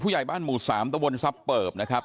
ใหญ่บ้านหมู่๓ตะวนซับเปิบนะครับ